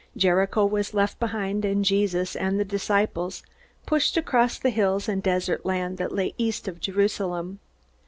Jericho was left behind, and Jesus and the disciples pushed across the hills and desert land that lay east of Jerusalem.